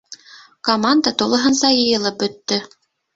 Команда тулыһынса йыйылып бөттө.